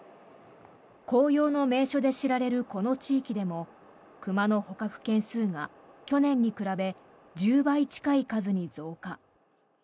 紅葉の名所で知られるこの地域でも熊の捕獲件数が去年に比べ１０倍近い数に増加。